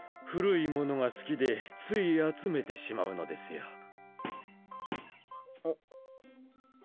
古いものが好きでつい集めてしまうのですよ。